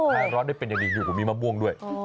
ช่างร้อนได้เป็นอย่างเดียวอยู่ก็มีมะม่วงด้วย